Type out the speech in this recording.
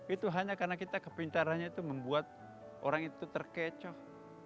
itu hanya karena kita kepintarannya itu membuat orang itu terkecoh